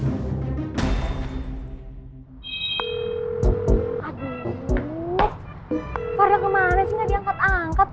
aduh farel kemana sih gak diangkat angkat